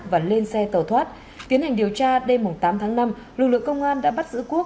tay tàu thoát tiến hành điều tra đêm tám tháng năm lực lượng công an đã bắt giữ quốc